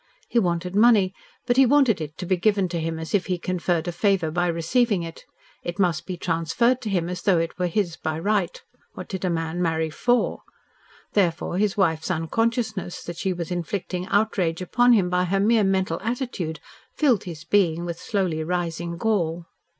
He wanted money, but he wanted it to be given to him as if he conferred a favour by receiving it. It must be transferred to him as though it were his by right. What did a man marry for? Therefore his wife's unconsciousness that she was inflicting outrage upon him by her mere mental attitude filled his being with slowly rising gall.